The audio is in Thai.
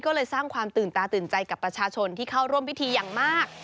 ก็เลยสร้างความตื่นตาตื่นใจกับประชาชนที่เข้าร่วมพิธีอย่างมาก